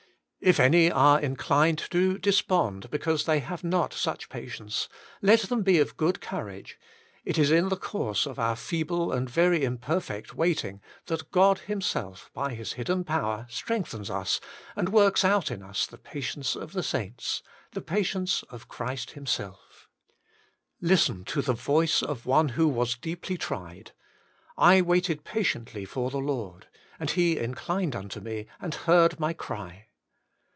If any are inclined to despond, because they have not such patience, let them be of good courage ; it is in the course of our feeble and very imperfect waiting that God Himself by His hidden power strengthens us tnd works out in us the patience of the saints^ the patience of Christ Himself. 74 WAITING ON GODI Listen to the voice of one who was deeply tried :' I waited patiently for the Lord, and He inclined unto me, and heard my cry.'